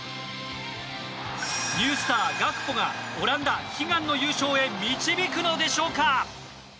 ニュースター、ガクポがオランダ悲願の優勝へ導くのでしょうか。